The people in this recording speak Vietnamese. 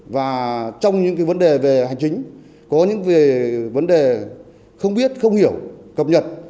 và trong những vấn đề về hành chính có những về vấn đề không biết không hiểu cập nhật